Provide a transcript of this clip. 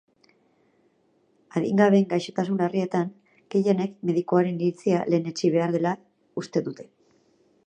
Adingabeen gaixotasun larrietan, gehienek medikuaren iritzia lehenetsi behar dela uste dute.